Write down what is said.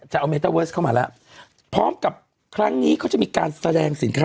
จะเอาเข้ามาแล้วพร้อมกับครั้งนี้เขาจะมีการแสดงสินค้า